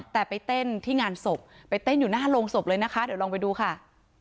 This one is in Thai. แต่ไปเต้นที่งานศพไปเต้นอยู่หน้าโรงศพเลยนะคะเดี๋ยวลองไปดูค่ะ